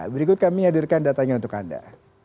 berikut kami hadirkan datanya untuk anda